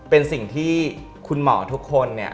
เป็นสิ่งที่คุณหมอทุกคน